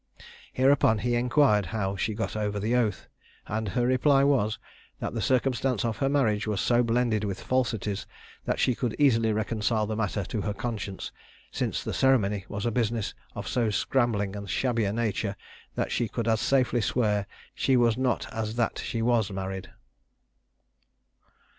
Hereupon he inquired how she got over the oath; and her reply was, that the circumstance of her marriage was so blended with falsities, that she could easily reconcile the matter to her conscience; since the ceremony was a business of so scrambling and shabby a nature, that she could as safely swear she was not as that she was married.